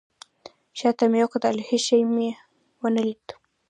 شاته مې وکتل. هیڅ شی مې ونه لید